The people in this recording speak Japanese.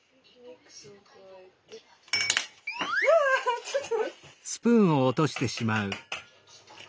わちょっと。